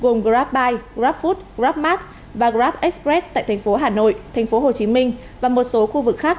gồm grabbuy grabfood grabmart và grabexpress tại thành phố hà nội thành phố hồ chí minh và một số khu vực khác